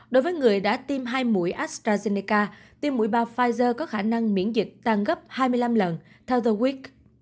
đối với người đã tiêm hai mũi astrazeneca tiêm mũi ba pfizer có khả năng miễn dịch tăng gấp hai mươi năm lần theo the week